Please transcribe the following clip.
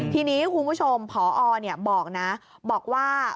ทีนี้คุณผู้ชมพอบอกนะบอกว่า